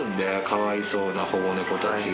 かわいそうな保護猫たち。